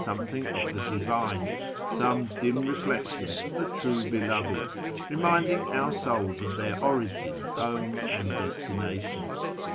i MYSTICISM, METAPHYSIC, AND MAGIC 129 of the Divine, some dim reflection of the True Beloved, reminding our souls of their origin, home, and destination.